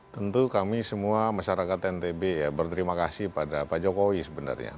tentu kami semua masyarakat ntb ya berterima kasih pada pak jokowi sebenarnya